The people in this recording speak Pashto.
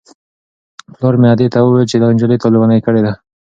پلار مې ادې ته وویل چې دا نجلۍ تا لېونۍ کړې ده.